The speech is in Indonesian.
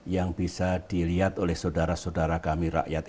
yang bisa dilihat oleh saudara saudara kami rakyat indonesia